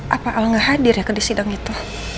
apa al gak hadir ya ke sidang itu